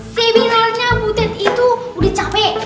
seminalnya butet itu udah capek